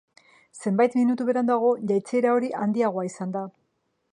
Zenbait minutu beranduago, jaitsiera hori handiagoa izan da.